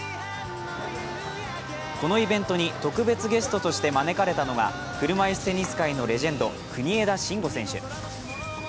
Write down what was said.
このイベントに特別ゲストとして招かれたのは車いすテニス界のレジェンド、国枝慎吾選手。